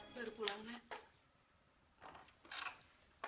baru pulang nek